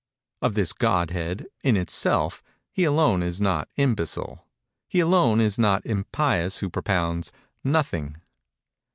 Of this Godhead, in itself, he alone is not imbecile—he alone is not impious who propounds—nothing.